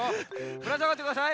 ぶらさがってください！